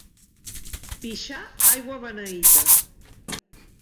Pixar aigua beneita.